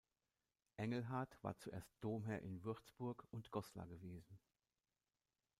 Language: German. Engelhard war zuerst Domherr in Würzburg und Goslar gewesen.